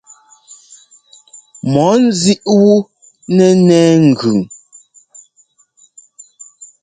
Mɔɔ nzíʼ wú nɛ́ nɛɛ ŋgʉn.